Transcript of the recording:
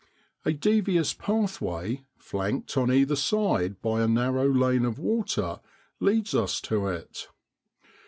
A devious pathway, flanked on either side by a narrow lane of water, leads us to it.